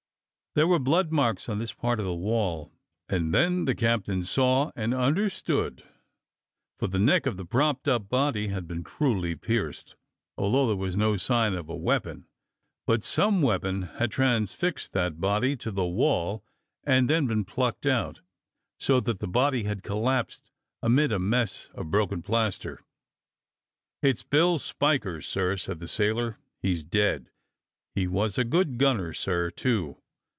There were blood marks on this part of the wall. And then the captain saw and understood, for the neck of the propped up body had been cruelly pierced, although there was no sign of a weapon; but some weapon had transfixed that body to the wall and 136 DOCTOR SYN then been plucked out, so that the body had collapsed amid a mess of broken plaster. *'It's Bill Spiker, sir," said the sailor. "He's dead! He was a good gunner, sir, too.